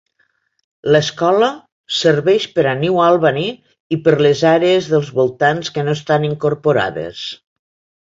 L'escola serveix per a New Albany i per a les àrees dels voltants que no estan incorporades.